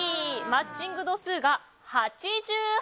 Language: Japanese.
マッチング度数が８８％。